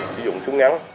sử dụng súng ngắn